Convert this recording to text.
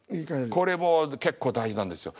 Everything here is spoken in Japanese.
これも結構大事なんですよ